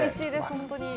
本当に。